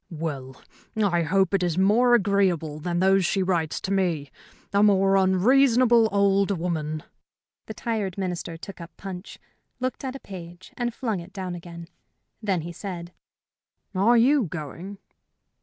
"Well, I hope it is more agreeable than those she writes to me. A more unreasonable old woman " The tired Minister took up Punch, looked at a page, and flung it down again. Then he said: "Are you going?"